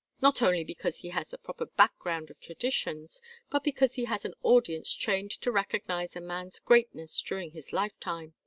Not only because he has the proper background of traditions, but because he has an audience trained to recognize a man's greatness during his lifetime.